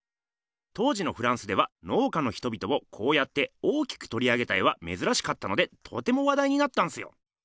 当時のフランスでは農家の人々をこうやって大きくとり上げた絵はめずらしかったのでとてもわだいになったんすよ。